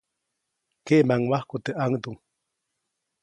Keʼmaŋwajku teʼ ʼaŋduŋ.